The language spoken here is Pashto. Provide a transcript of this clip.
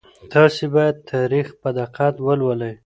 تاسي باید تاریخ په دقت ولولئ.